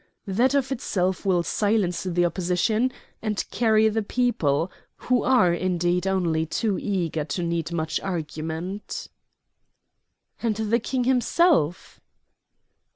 That of itself will silence opposition and carry the people, who are, indeed, only too eager to need much argument." "And the King himself?"